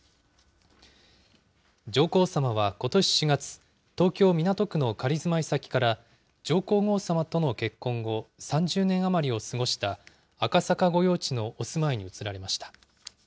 上皇さまはことし４月、東京・港区の仮住まい先から、上皇后さまとの結婚後、３０年余りを過ごした赤坂御用地のお住まいに移られました。